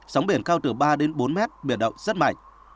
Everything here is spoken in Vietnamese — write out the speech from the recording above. sóng biển cao từ ba đến bốn mét biển động rất mạnh